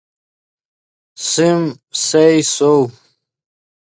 سیم، سئے، سؤ